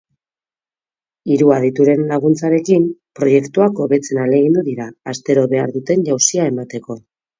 Hiru adituren laguntzarekin, proiektuak hobetzen ahalegindu dira astero behar duten jauzia emateko.